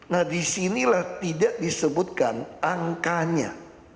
nah disinilah tidak disebutkan angkanya